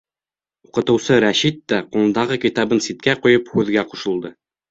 Уҡытыусы Рәшит тә, ҡулындағы китабын ситкә ҡуйып, һүҙгә ҡушылды.